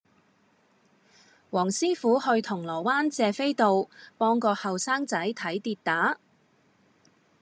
黃師傅去銅鑼灣謝斐道幫個後生仔睇跌打